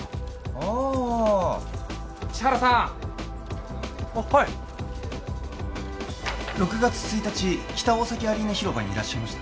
ああ千原さんはい６月１日北大崎アリーナ広場にいらっしゃいました？